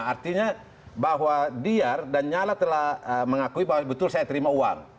artinya bahwa diar dan nyala telah mengakui bahwa betul saya terima uang